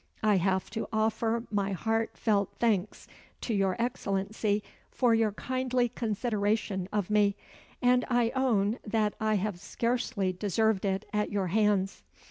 I have to offer my heartfelt thanks to your Excellency for your kindly consideration of me, and I own that I have scarcely deserved it at your hands."